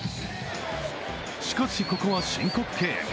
しかし、ここは申告敬遠。